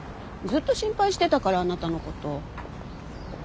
ずっと心配してたからあなたのこと。